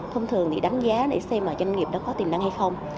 thông thường thì đánh giá để xem là doanh nghiệp đó có tiềm năng hay không